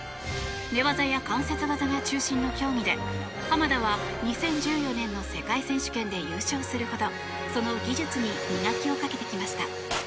寝技や関節技が中心の競技で濱田は、２０１４年の世界選手権で優勝するほどその技術に磨きをかけてきました。